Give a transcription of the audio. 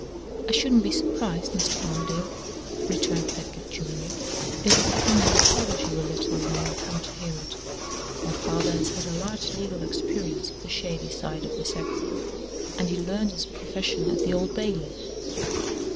"I shouldn't be surprised, Mr. Armadale," returned Pedgift Junior, "if his opinion staggers you a little, when you come to hear it. My father has had a large legal experience of the shady side of the sex, and he learned his profession at the Old Bailey."